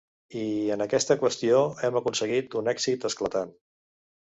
I, en aquesta qüestió, hem aconseguit un èxit esclatant.